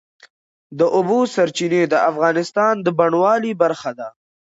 د اوبو سرچینې د افغانستان د بڼوالۍ برخه ده.